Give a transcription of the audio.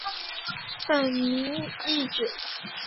本名义久。